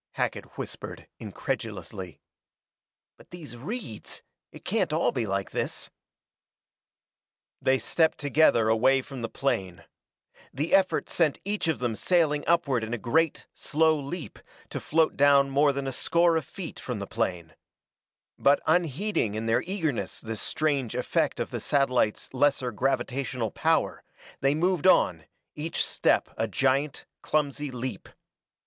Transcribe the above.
Hackett whispered, incredulously. "But these reeds it can't all be like this " They stepped together away from the plane. The effort sent each of them sailing upward in a great, slow leap, to float down more than a score of feet from the plane. But unheeding in their eagerness this strange effect of the satellite's lesser gravitational power, they moved on, each step a giant, clumsy leap.